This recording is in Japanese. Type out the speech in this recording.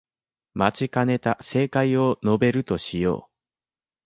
待ちかねた正解を述べるとしよう